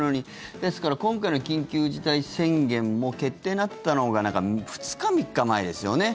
ですから、今回の緊急事態宣言も決定になったのが２日、３日前ですよね。